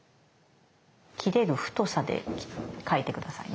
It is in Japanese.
切れる太さで描いて下さいね。